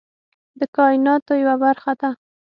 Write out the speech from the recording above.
د کایناتو یوه برخه ده.